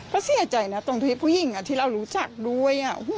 ก็เสียใจนะตรงที่ผู้หญิงที่เรารู้จักด้วย